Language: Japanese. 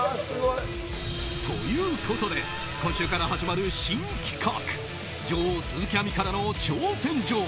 ということで今週から始まる新企画女王・鈴木亜美からの挑戦状！